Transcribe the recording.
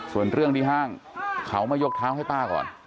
ส่วนเรื่องที่ห้างเขามายกเท้าให้ป้าก่อน